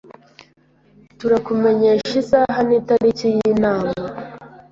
Turakumenyesha isaha nitariki yinama.